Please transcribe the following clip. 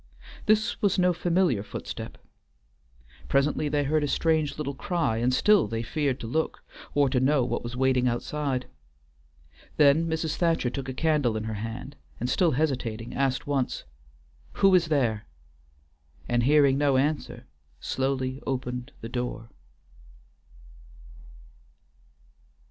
This was no familiar footstep; presently they heard a strange little cry, and still they feared to look, or to know what was waiting outside. Then Mrs. Thacher took a candle in her hand, and, still hesitating, asked once, "Who is there?" and, hearing no answer, slowly opened the door.